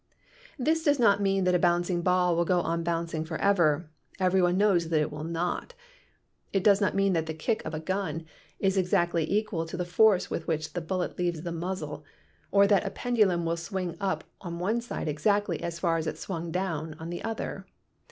This does not mean that a bouncing ball will go on bouncing forever. Every one knows that it will not. It does not mean that the "kick" of a gun is exactly equal to the force with which a bullet leaves the muzzle or that a pendulum will swing up on one side exactly as far as it swung down on the other.